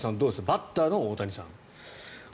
バッターの大谷さん。